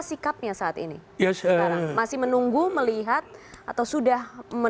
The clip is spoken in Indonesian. fikiran saya dari cara menilai sebutannya dulu